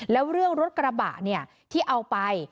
แล้วเรื่องรถกระบะที่เอาไป